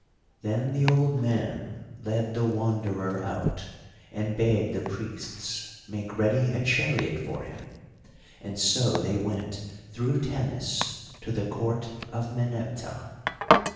Then the old man led the Wanderer out, and bade the priests make ready a chariot for him; and so they went through Tanis to the Court of Meneptah.